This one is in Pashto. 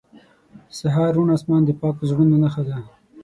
• د سهار روڼ آسمان د پاک زړونو نښه ده.